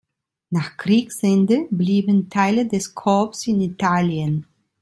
Nach Kriegsende blieben Teile des Korps in Italien.